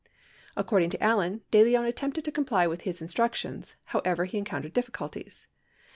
According to Allen, De Leon attempted to comply with his instruc tions. However, he encountered difficulties.